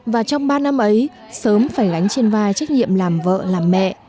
và trong ba năm ấy sớm phải gánh trên vai trách nhiệm làm vợ làm mẹ